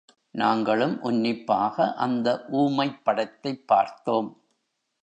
நாங்களும் உன்னிப்பாக அந்த ஊமைப் படத்தைப் பார்த்தோம்.